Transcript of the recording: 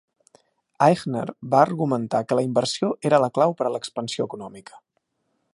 Eichner va argumentar que la inversió era la clau per a l'expansió econòmica.